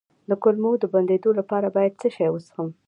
د کولمو د بندیدو لپاره باید څه شی وڅښم؟